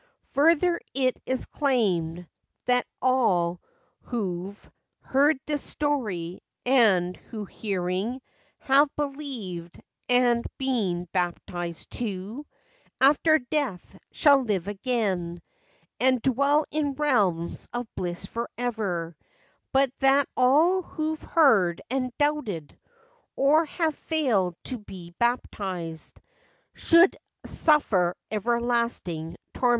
Further it is claimed that all who've Heard this story, and who hearing Have believed, and been baptized, too, After death shall live again, and Dwell in realms of bliss forever— But that all who 've heard, and doubted, Or have failed to be baptized, shall Suffer everlasting torment.